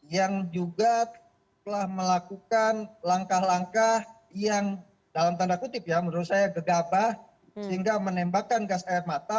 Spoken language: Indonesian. yang juga telah melakukan langkah langkah yang dalam tanda kutip ya menurut saya gegabah sehingga menembakkan gas air mata